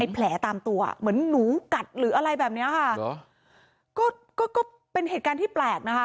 ไอ้แผลตามตัวเหมือนนูกัดหรืออะไรแบบนี้ค่ะก็เป็นเหตุการณ์ที่แปลกนะคะ